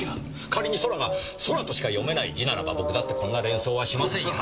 仮に空が「そら」としか読めない字ならば僕だってこんな連想はしませんよ。